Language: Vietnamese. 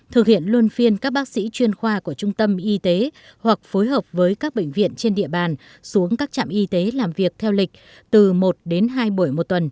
thực hiện luân phiên các bác sĩ chuyên khoa của trung tâm y tế hoặc phối hợp với các bệnh viện trên địa bàn xuống các trạm y tế làm việc thêm